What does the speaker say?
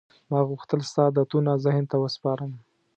ما غوښتل ستا عادتونه ذهن ته وسپارم.